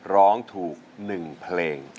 ร้องถูกหนึ่งเพลง